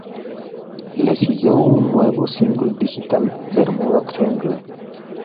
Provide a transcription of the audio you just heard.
Le siguió un nuevo single digital, "Bermuda Triangle".